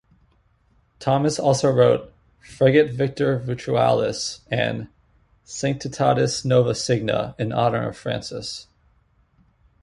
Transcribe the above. Thomas also wrote "Fregit victor virtualis" and "Sanctitatis nova signa" in honor of Francis.